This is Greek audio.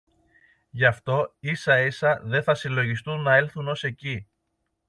Γι' αυτό ίσα-ίσα δε θα συλλογιστούν να έλθουν ως εκεί